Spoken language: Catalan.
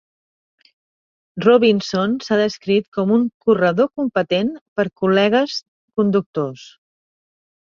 Robinson s'ha descrit com un "corredor competent" per col·legues conductors.